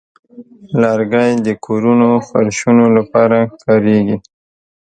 لرګی د کورونو فرشونو لپاره کاریږي.